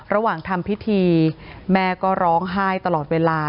ระหว่างทำพิธีแม่ก็ร้องไห้ตลอดเวลา